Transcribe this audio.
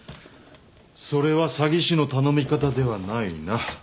それは詐欺師の頼み方ではないな。